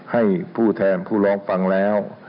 ให้ผู้แทนผู้ร้องฟังแล้ว